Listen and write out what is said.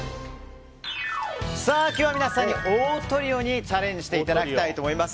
今日は皆さんにオートリオにチャレンジしていただきたいと思います。